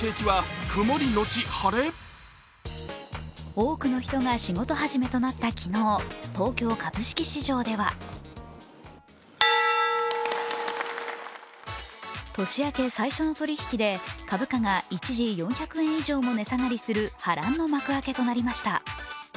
多くの人が仕事始めとなった昨日、東京株式市場では年明け最初の取引で株価が一時４００円以上も値下がりする波乱の幕開けとなりました。